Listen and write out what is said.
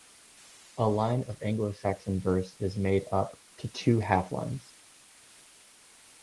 A line of Anglo-Saxon verse is made up to two half-lines.